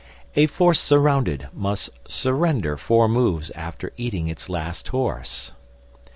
A force surrounded must surrender four moves after eating its last horse.